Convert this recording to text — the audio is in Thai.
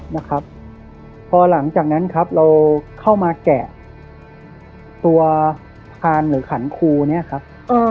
นะครับพอหลังจากนั้นครับเราเข้ามาแกะตัวพานหรือขันครูเนี่ยครับ